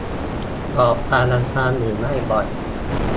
ก่อความรำคาญอยู่ได้บ่อย